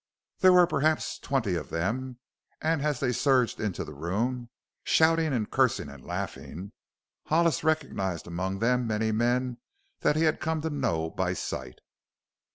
There were perhaps twenty of them and as they surged into the room, shouting and cursing and laughing Hollis recognized among them many men that he had come to know by sight.